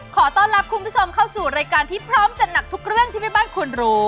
ขอต้อนรับคุณผู้ชมเข้าสู่รายการที่พร้อมจัดหนักทุกเรื่องที่แม่บ้านควรรู้